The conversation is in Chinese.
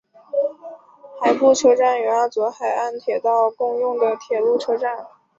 海部车站与阿佐海岸铁道共用的铁路车站。